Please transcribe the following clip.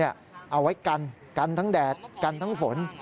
เอาไว้กันกันทั้งแดดกันทั้งฝน